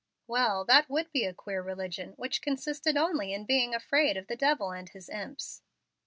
"Well, that would be a queer religion which consisted only in being afraid of the devil and his imps."